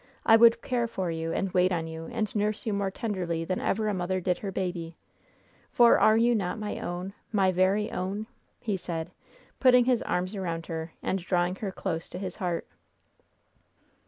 I would care for you, and wait on you, and nurse you more tenderly than ever a mother did her baby. For are you not my own my very own?" he said, putting his arms around her and drawing her close to his heart.